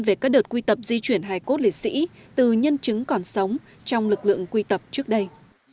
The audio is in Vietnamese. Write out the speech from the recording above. về các đợt quy tập di chuyển hài cốt liệt sĩ từ nhân chứng còn sống trong lực lượng quy tập trước đây